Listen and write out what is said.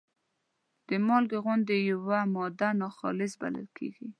د مالګې غوندې یوه ماده ناخالصې بلل کیږي.